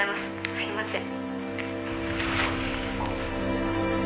すいません」